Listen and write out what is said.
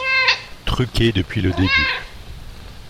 Truqué depuis le début.